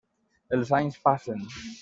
Els anys passen.